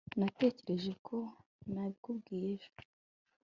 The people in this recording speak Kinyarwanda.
Natekereje ko nabikubwiye ejo